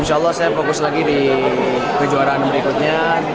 insya allah saya fokus lagi di kejuaraan berikutnya